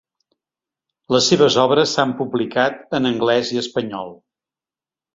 Les seves obres s"han publicat en anglès i espanyol.